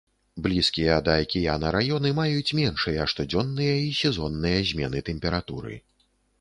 Блізкія да акіяна раёны маюць меншыя штодзённыя і сезонныя змены тэмпературы.